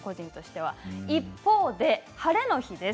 一方で、晴れの日です。